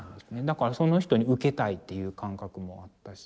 だからその人にウケたいっていう感覚もあったし。